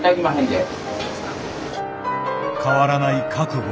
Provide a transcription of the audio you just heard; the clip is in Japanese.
変わらない覚悟。